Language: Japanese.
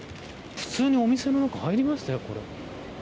普通にお店の中に入りましたよ。